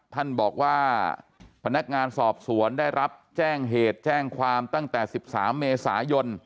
ท่านบอกว่าพนักงานสอบสวนได้รับแจ้งเหตุแจ้งความตั้งแต่๑๓เมษายน